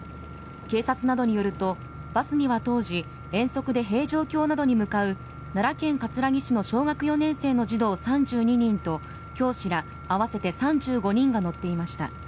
警察などによるとバスには当時遠足で平城京などに向かう奈良県葛城市の小学４年生の児童３２人と教師ら合わせて３５人が乗っていました。